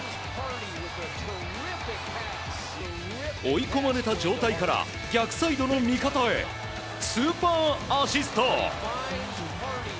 追い込まれた状態から逆サイドの味方へスーパーアシスト！